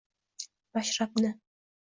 Mashrabni.